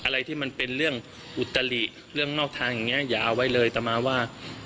อะไรที่มันเป็นเรื่องอุตลิเรื่องนอกทางอย่างนี้อย่าเอาไว้เลยต่อมาว่า